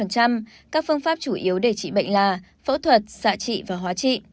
các phương pháp chủ yếu để trị bệnh là phẫu thuật xạ trị và hóa trị